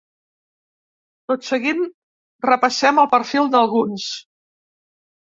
Tot seguit repassem el perfil d’alguns.